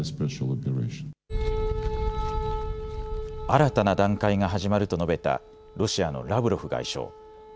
新たな段階が始まると述べたロシアのラブロフ外相。